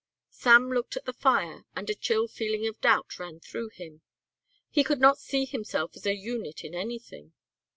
Sam looked at the fire and a chill feeling of doubt ran through him. He could not see himself as a unit in anything.